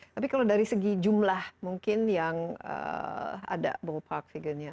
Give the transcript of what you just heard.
tapi kalau dari segi jumlah mungkin yang ada bopak figure nya